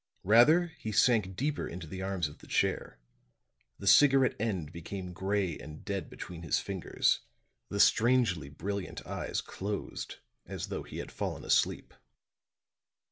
Rather he sank deeper into the arms of the chair; the cigarette end became gray and dead between his fingers; the strangely brilliant eyes closed as though he had fallen asleep.